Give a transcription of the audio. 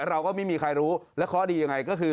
เราก็ไม่มีใครรู้และข้อดียังไงก็คือ